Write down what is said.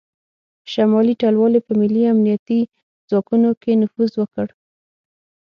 شمالي ټلوالې په ملي امنیتي ځواکونو کې نفوذ وکړ